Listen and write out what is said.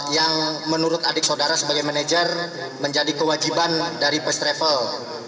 yang menurut adik saudara sebagai manajer menjadi kewajiban dari first travel